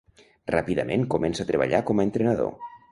Ràpidament comença a treballar com a entrenador.